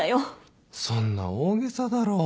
そんな大げさだろ。